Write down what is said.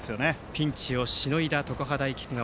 ピンチをしのいだ常葉大菊川。